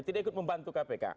tidak ikut membantu kpk